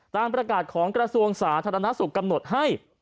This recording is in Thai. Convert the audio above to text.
ตามประกาศของกระทรวงสาธารณสุขกำหนดให้